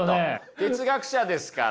哲学者ですから。